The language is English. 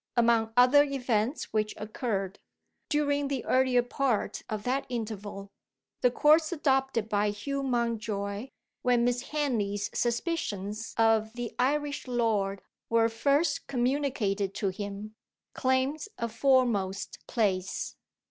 Among other events which occurred, during the earlier part of that interval, the course adopted by Hugh Mountjoy, when Miss Henley's suspicions of the Irish lord were first communicated to him, claims a foremost place.